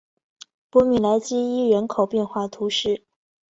博米莱基伊人口变化图示